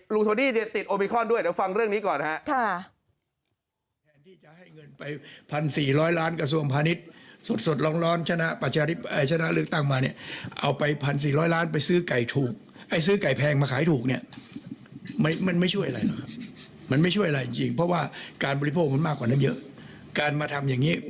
โทนี่ติดโอมิครอนด้วยเดี๋ยวฟังเรื่องนี้ก่อนฮะ